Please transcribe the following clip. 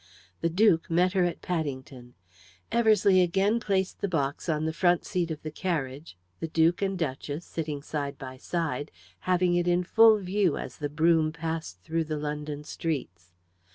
The duke met her at Paddington. Eversleigh again placed the box on the front seat of the carriage, the duke and duchess, sitting side by side, having it in full view as the brougham passed through the London streets.